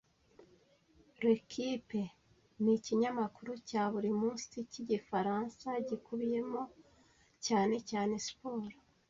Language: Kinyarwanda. L'Equipe ni ikinyamakuru cya buri munsi cyigifaransa gikubiyemo cyane cyane siporo